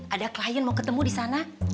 ada klien mau ketemu di sana